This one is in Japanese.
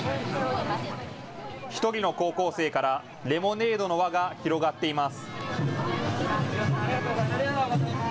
１人の高校生からレモネードの輪が広がっています。